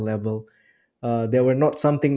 itu bukan sesuatu yang